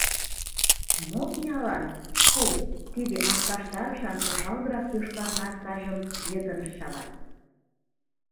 Мо иялан, — чпу! — тиде аҥгаштарышан ошалгырак-йошкар настажым йытыныш шават?!»